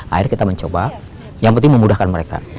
akhirnya kita mencoba yang penting memudahkan mereka